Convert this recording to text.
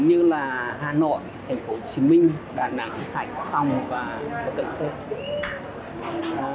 như là hà nội thành phố hồ chí minh đà nẵng hải phòng và một tầng cơ